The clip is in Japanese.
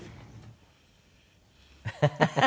ハハハハ！